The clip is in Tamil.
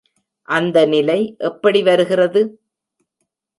அந்த நிலை எப்படி வருகிறது?